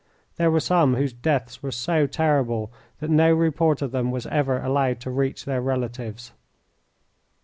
There were some whose deaths were so terrible that no report of them was ever allowed to reach their relatives.